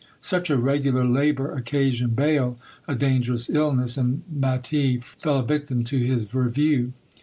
Such a regular labour occasioned Bayle a dangerous illness, and Maty fell a victim to his Review.